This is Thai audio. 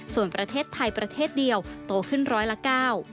ส่วนประเทศไทยประเทศเดียวโตขึ้นร้อยละเก้า